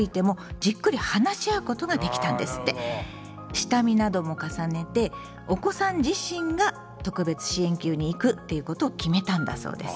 下見なども重ねてお子さん自身が特別支援級に行くっていうことを決めたんだそうです。